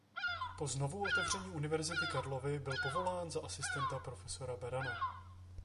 Po znovuotevření Univerzity Karlovy byl povolán za asistenta prof. Berana.